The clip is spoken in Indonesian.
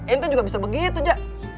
itu juga bisa begitu jak